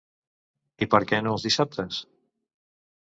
I per què no els dissabtes?